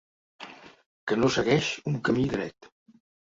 Que no segueix un camí dret.